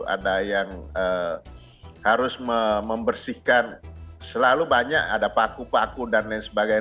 ada yang harus membersihkan selalu banyak ada paku paku dan lain sebagainya